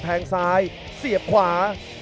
แทงซ้ายเสียบขวา